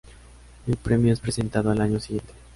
El premio es presentado al año siguiente.